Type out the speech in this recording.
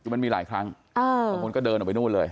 คือมันมีหลายครั้งบางคนก็เดินออกไปนู่นเลย